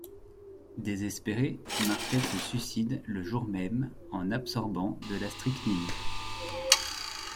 Désespéré, Martel se suicide le jour même en absorbant de la strychnine.